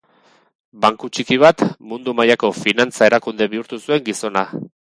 Banku txiki bat mundu mailako finantza-erakunde bihurtu zuen gizona.